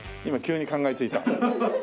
今急に考えついた。